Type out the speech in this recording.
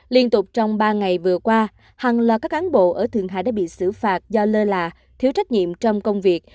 liên tục trong ba ngày vừa qua hàng loạt các cán bộ ở thường hải đã bị xử phạt do lơ là thiếu trách nhiệm trong công việc